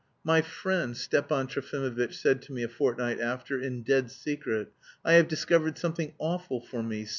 "My friend," Stepan Trofimovitch said to me a fortnight after, in dead secret, "I have discovered something awful for me...